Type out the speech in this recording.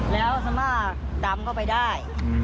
แล้วสามารถดำเข้าไปได้